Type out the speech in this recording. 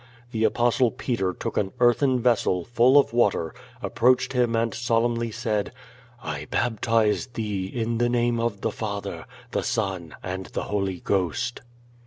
The Apostle Peter took an earthen vessel, full of water, approached him and solemnly said: "I baptize thee, in the name of the Father, the Son, and the Holy Ghost.